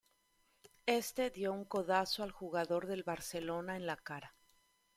Éste dio un codazo al jugador del Barcelona en la cara.